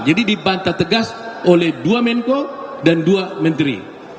jadi dibantah tegas oleh dua menko dan dua menteri